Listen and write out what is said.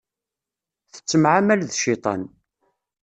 Tettemεamal d cciṭan.